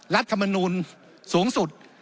รัฐธรรมนูญสูงสุด